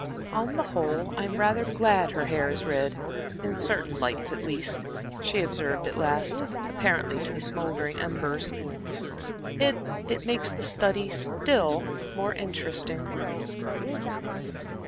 "On the whole, I'm rather glad her hair is red in certain lights at least," she observed at last, apparently to the smouldering embers. "It it makes the study still more interesting."